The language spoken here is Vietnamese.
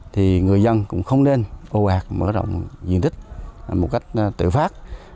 thì người dân cũng không nên ô ạc mở rộng diện tích một cách tự phát